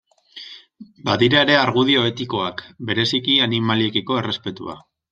Badira ere argudio etikoak, bereziki animaliekiko errespetua.